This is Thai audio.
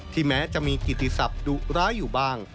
แม้จะมีกิติศัพทดุร้ายอยู่บ้าง